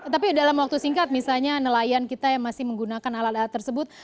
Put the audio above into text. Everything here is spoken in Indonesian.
tapi dalam waktu singkat misalnya nelayan kita yang masih menggunakan alat alat tersebut